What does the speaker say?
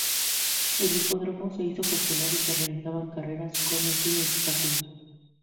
El hipódromo se hizo popular y se realizaban carreras con y sin obstáculos.